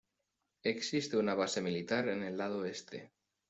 Existe una base militar en el lado este.